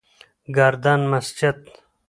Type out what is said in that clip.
گردن مسجد: